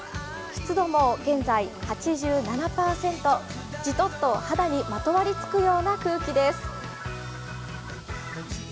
湿度も現在８７％、じとっと肌にまとわりつくような空気です。